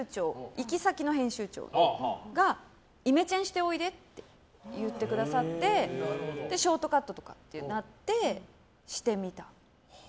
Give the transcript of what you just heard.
行き先の編集長がイメチェンしておいでって言ってくださってショートカットでってなってしてみた。